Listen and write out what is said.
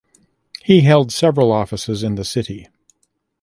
He held several offices in the city.